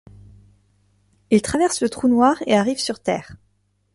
Ils traversent le trou noir et arrivent sur Terre.